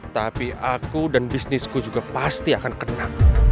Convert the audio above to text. tapi aku dan bisnisku juga pasti akan kena